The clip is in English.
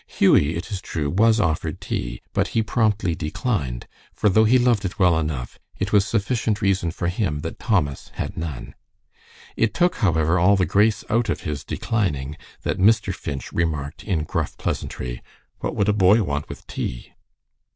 Hughie, it is true, was offered tea, but he promptly declined, for though he loved it well enough, it was sufficient reason for him that Thomas had none. It took, however, all the grace out of his declining, that Mr. Finch remarked in gruff pleasantry, "What would a boy want with tea!"